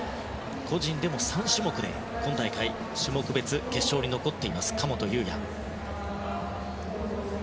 個人でも３種目で今大会種目別決勝に残っている神本雄也。